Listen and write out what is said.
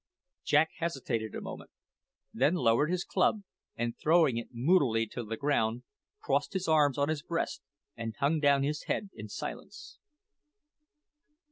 Jack hesitated a moment, then lowered his club, and throwing it moodily to the ground, crossed his arms on his breast and hung down his head in silence.